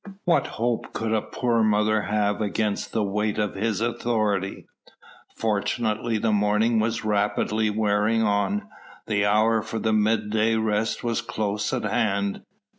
What hope could a poor mother have against the weight of his authority. Fortunately the morning was rapidly wearing on. The hour for the midday rest was close at hand.